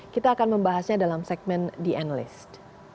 kita akan membahasnya dalam segmen the end list